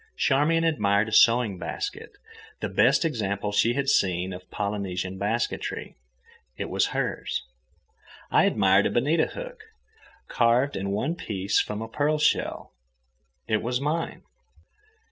Charmian admired a sewing basket—the best example she had seen of Polynesian basketry; it was hers. I admired a bonita hook, carved in one piece from a pearl shell; it was mine.